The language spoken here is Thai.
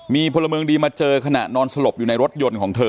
มีพลเมืองดีมาเจอขณะนอนสลบอยู่ในรถยนต์ของเธอ